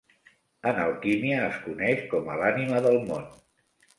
En alquímia, es coneix com a l'Ànima del Món.